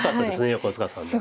横塚さんの。